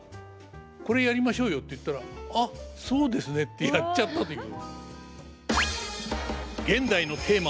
「これやりましょうよ」って言ったら「ああそうですね」ってやっちゃったという。